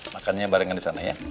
makannya barengan di sana ya